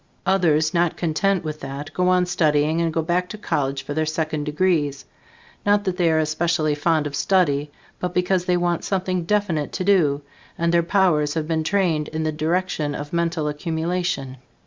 Others not content with that, go on studying and go back to college for their second degrees; not that they are especially fond of study, but because they want something definite to do, and their powers have been trained in the direction of mental accumulation.